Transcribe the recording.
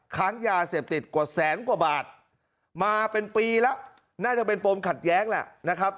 ค้างยาเสพติดกว่าแสนกว่าบาทมาเป็นปีแล้วน่าจะเป็นปมขัดแย้งแหละนะครับ